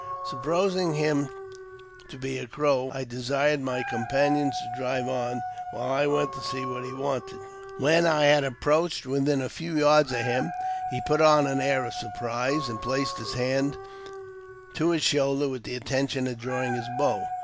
Supposing him to be a« Crow, I desired my companions to drive on, while I went to* see what he wanted. When I had approached within a few yards of him, he put on an air of surprise, and placed his hand to his shoulder with the intention of drawing his bow.